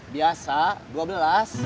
biasa dua belas